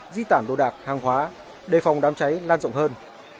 di tản đồ đạc hàng hóa đề phòng đám cháy lan rộng hơn